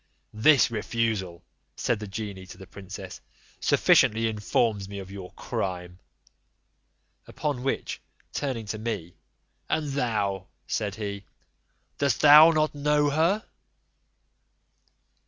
"This refusal," said the genie to the princess, "sufficiently informs me of your crime." Upon which, turning to me, "And thou," said he, "dost thou not know her?"